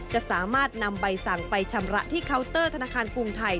จะสามารถนำใบสั่งไปชำระที่เคาน์เตอร์ธนาคารกรุงไทย